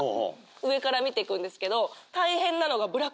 上から見ていくんですけど。